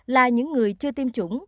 là những người chưa tiêm chủng